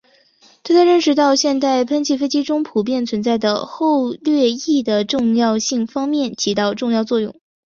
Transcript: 他在认识到现代喷气飞机中普遍存在的后掠翼的重要性方面起到重要作用。